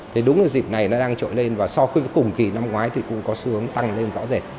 thế đúng là dịp này nó đang trội lên và so với cùng kỳ năm ngoái thì cũng có sướng tăng lên rõ rệt